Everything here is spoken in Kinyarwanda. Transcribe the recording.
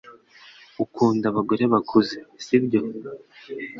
Ukunda abagore bakuze sibyo